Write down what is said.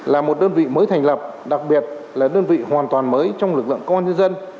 là một đơn vị mới thành lập đặc biệt là đơn vị hoàn toàn mới trong lực lượng công an nhân dân